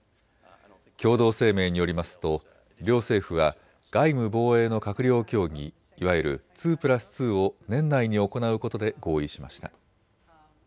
共同声明によりますと両政府は外務・防衛の閣僚協議、いわゆる２プラス２を年内に行うことで合意しました。